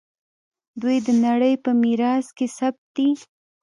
دوی د نړۍ په میراث کې ثبت دي.